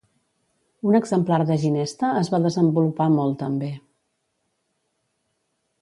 Un exemplar de ginesta es va desenvolupar molt també.